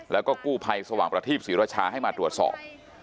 แล้วก็กู้ภัยสว่างประทีปศรีรชาให้มาตรวจสอบ